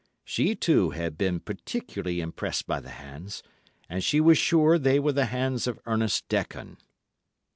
She, too, had been particularly impressed by the hands, and she was sure they were the hands of Ernest Dekon.